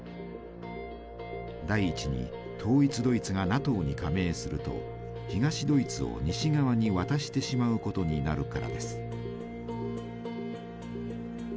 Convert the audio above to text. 第１に統一ドイツがＮＡＴＯに加盟すると東ドイツを西側に渡してしまうことになるからです。